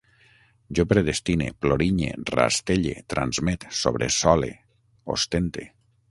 Jo predestine, plorinye, rastelle, transmet, sobresole, ostente